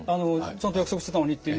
「ちゃんと約束してたのに」って。